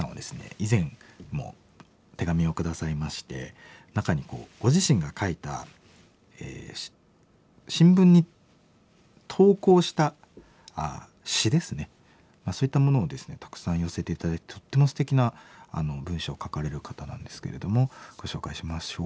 以前も手紙を下さいまして中にご自身が書いた新聞に投稿した詩ですねそういったものをですねたくさん寄せて頂いてとってもすてきな文章を書かれる方なんですけれどもご紹介しましょう。